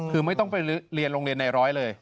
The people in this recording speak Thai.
คือไม่ต้องไปเรียนโรงเรียนในร้อยเลย